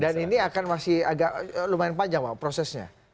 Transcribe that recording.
dan ini akan masih agak lumayan panjang pak prosesnya